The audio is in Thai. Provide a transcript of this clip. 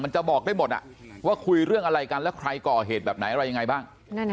จะบอกได้หมดว่าคุยเรื่องอะไรกันแล้วใครก่อเหตุแบบไหนอะไรยังไงบ้าง